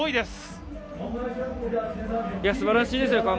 すばらしいですよ。